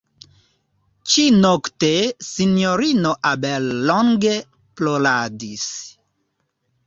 Ĉinokte Sinjorino Abel longe ploradis.